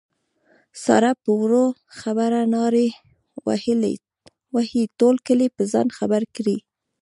ساره په وړه خبره نارې وهي ټول کلی په ځان خبر کړي.